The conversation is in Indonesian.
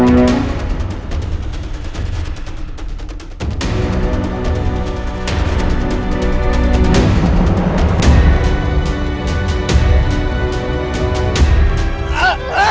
lepasin tas ya